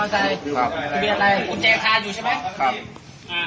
หมู่ถ้าสามารถ